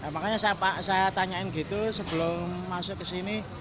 makanya saya tanyain gitu sebelum masuk ke sini